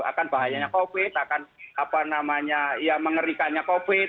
akan bahayanya covid akan apa namanya ya mengerikannya covid